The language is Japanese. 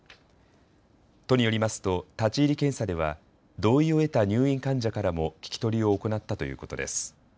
都によりますと立ち入り検査では同意を得た入院患者からも聞き取りを行ったということです。